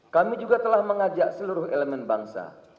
kami juga telah mengajak seluruh elemen bangsa